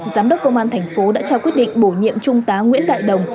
giám đốc công an thành phố đã trao quyết định bổ nhiệm trung tá nguyễn đại đồng